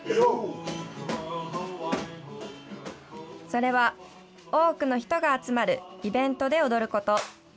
それは、多くの人が集まるイベントで踊ること。